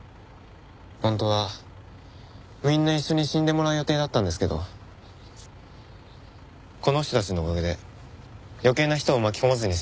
本当はみんな一緒に死んでもらう予定だったんですけどこの人たちのおかげで余計な人を巻き込まずに済みそうです。